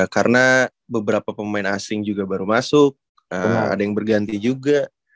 karena beberapa pemain asing juga baru masuk ada yang berganti juga